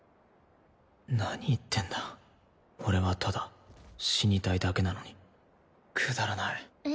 何言ってんだ俺はただ死にたいだけなのにくだらないええ？